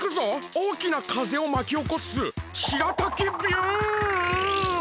おおきなかぜをまきおこすしらたきビュン！